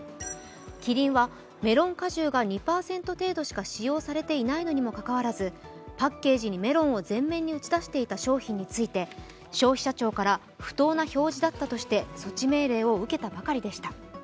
キリンはメロン果汁が２％程度しか使用されていないにもかかわらず、パッケージにメロンを全面に打ち出していた商品について消費者庁から不当な表示だったとして措置命令を受けていました。